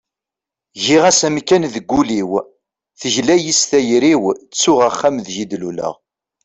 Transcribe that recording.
giɣ-as amkan deg ul-iw, tegla-yi s tayri-w, ttuɣ axxam deg i d-luleɣ